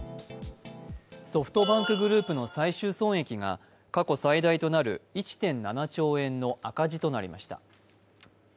ソフトバンクグループの最終損益が過去最大となる１．７兆円赤字となりました。